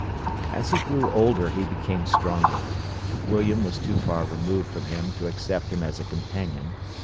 As he grew older he became stronger. William was too far removed from him to accept him as a companion.